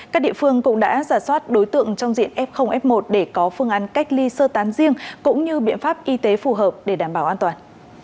các địa phương cũng đã giả soát đối tượng trong diện f f một để có phương án cách ly sơ tán riêng cũng như biện pháp y tế phù hợp để đảm bảo an toàn